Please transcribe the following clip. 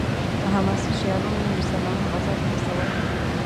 په حماسي شعرونو یې مسلمانان غزا ته هڅول.